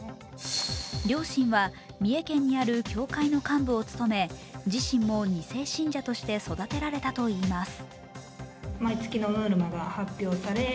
両親は三重県にある教会の幹部を務め自身も二世信者として育てられたといいます。